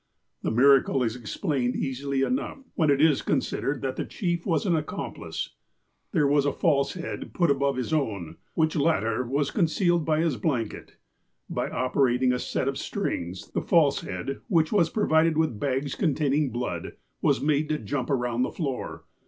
The miracle is explained easily enough, when it is con sidered that the chief was an accomplice. There was a false head put above his own, which latter was concealed by his blanket. By operating a set of strings, the false head, which was provided with bags containing blood, was made to jump around the floor.